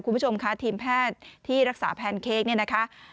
คุณผู้ชมค่ะทีมแพทย์ที่รักษาแพนเค้ก